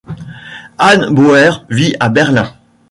Hannes Bauer vit à Berlin.